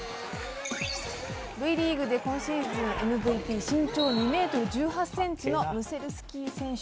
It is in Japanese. Ｖリーグで今シーズンＭＶＰ身長２ｍ１８ｃｍのムセルスキー選手。